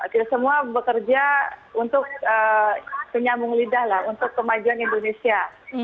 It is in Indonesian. kita semua bekerja untuk penyambung lidah lah untuk kemajuan indonesia